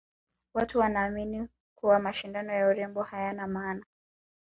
watu wanaamini kuwa mashindano ya urembo hayana maana